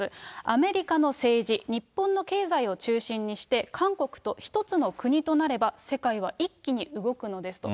アメリカの政治、日本の経済を中心にして、韓国と一つの国となれば、世界は一気に動くのですと。